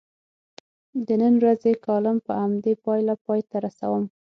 د نن ورځې کالم په همدې پایله پای ته رسوم.